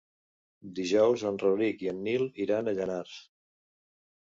Dijous en Rauric i en Nil iran a Llanars.